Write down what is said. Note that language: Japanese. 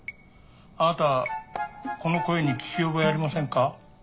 あなたこの声に聞き覚えありませんか？